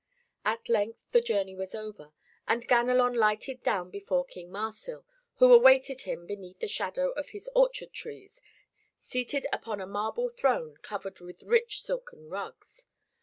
At length the journey was over, and Ganelon lighted down before King Marsil, who awaited him beneath the shadow of his orchard trees, seated upon a marble throne covered with rich silken rugs.